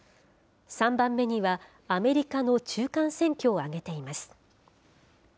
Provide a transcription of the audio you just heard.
３番目には、アメリカの中間選挙を挙げています。